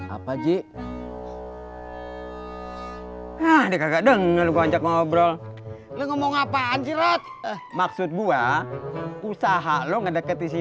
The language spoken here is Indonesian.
apa ji nah dikagak dengernya ngobrol ngomong apaan jirat maksud gua usaha lo ngedeket isi